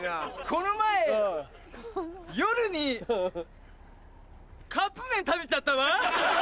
この前夜にカップ麺食べちゃったわ！